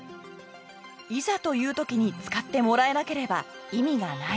いざという時に使ってもらえなければ意味がない。